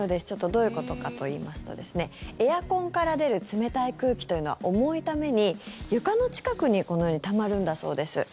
どういうことかといいますとエアコンから出る冷たい空気というのは重いために床の近くにこのようにたまるんだそうです。